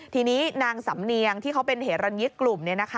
ทีนี้นางสำเนียงที่เขาเป็นเหรันยิกกลุ่ม